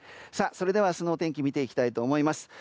それでは明日のお天気見ていきたいと思います。